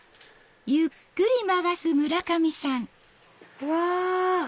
うわ！